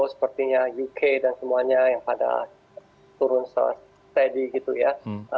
sepertinya uk dan semuanya yang pada turun teddy gitu ya